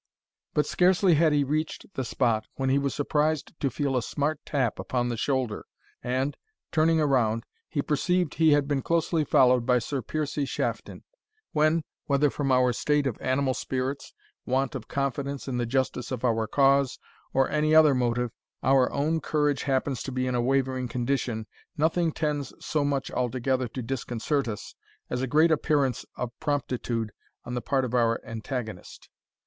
But scarcely had he reached the spot, when he was surprised to feel a smart tap upon the shoulder, and, turning around, he perceived he had been closely followed by Sir Piercie Shafton. When, whether from our state of animal spirits, want of confidence in the justice of our cause, or any other motive, our own courage happens to be in a wavering condition, nothing tends so much altogether to disconcert us, as a great appearance of promptitude on the part of our antagonist.